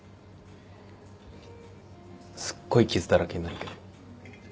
すっごい傷だらけになるけど。